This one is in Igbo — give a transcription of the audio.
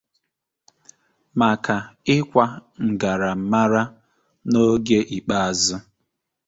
maka ịkwa 'ngara m mara' n'oge ikpeazụ.